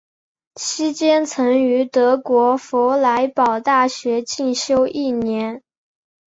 期间曾于德国佛莱堡大学进修一年。